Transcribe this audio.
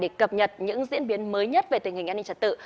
để cập nhật những diễn biến mới nhất về tình hình an ninh trật tự